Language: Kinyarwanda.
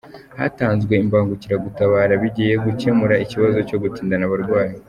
Hatanzwe imbangukiragutabara bigiye gukemura ikibazo cyo gutindana abarwayi